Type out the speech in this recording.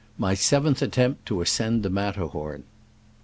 — MY SEVENTH ATTEMPT TO ASCEND THE MATTER HORN.